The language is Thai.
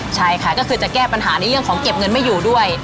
ใช่ค่ะก็คือจะแก้ปัญหาในเรื่องของเก็บเงินไม่อยู่ด้วย